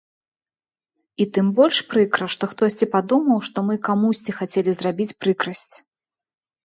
І тым больш прыкра, што хтосьці падумаў, што мы камусьці хацелі зрабіць прыкрасць.